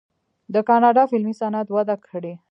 د کاناډا فلمي صنعت وده کړې.